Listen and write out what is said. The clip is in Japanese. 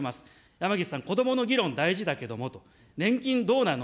山岸さん、子どもの議論大事だけれども、年金どうなの。